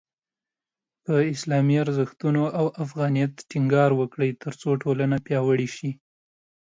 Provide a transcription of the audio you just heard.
په اسلامي ارزښتونو او افغانیت ټینګار وکړئ، ترڅو ټولنه پیاوړې شي.